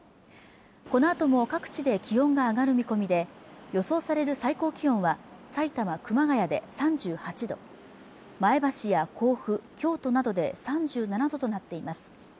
このあとも各地で気温が上がる見込みで予想される最高気温は埼玉・熊谷で３８度前橋や甲府京都などで３７度となっています